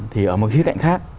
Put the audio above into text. thì ở một khía cạnh khác